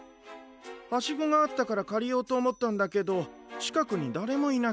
ハシゴがあったからかりようとおもったんだけどちかくにだれもいなくて。